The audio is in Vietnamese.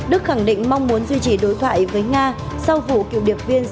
đức khẳng định mong muốn duy trì đối thoại với nga sau vụ cựu điệp viên skuypan bị đầu độc